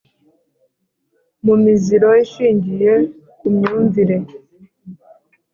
mu miziro ishingiye ku myumvire